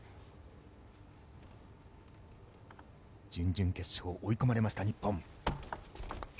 準々決勝、追い込まれました日本。